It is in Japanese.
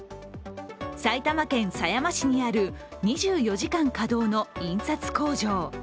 埼玉県狭山市にある２４時間稼働の印刷工場。